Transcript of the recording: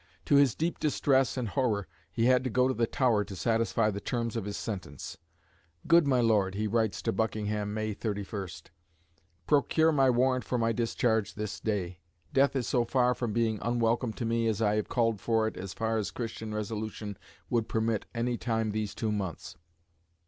To his deep distress and horror he had to go to the Tower to satisfy the terms of his sentence. "Good my Lord," he writes to Buckingham, May 31, "procure my warrant for my discharge this day. Death is so far from being unwelcome to me, as I have called for it as far as Christian resolution would permit any time these two months.